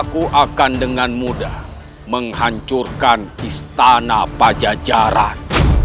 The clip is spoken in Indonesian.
aku akan dengan mudah menghancurkan istana pajajaran